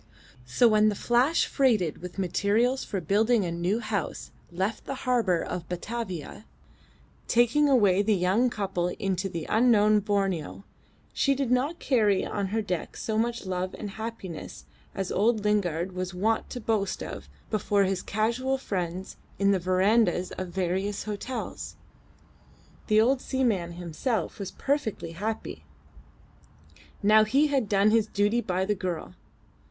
So when the Flash freighted with materials for building a new house left the harbour of Batavia, taking away the young couple into the unknown Borneo, she did not carry on her deck so much love and happiness as old Lingard was wont to boast of before his casual friends in the verandahs of various hotels. The old seaman himself was perfectly happy. Now he had done his duty by the girl.